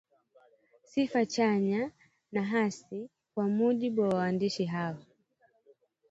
sifa chanya na hasi kwa mujibu wa waandishi hao